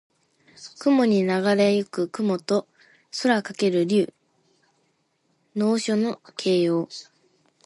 空にながれ行く雲と空翔ける竜。能書（すぐれた筆跡）の形容。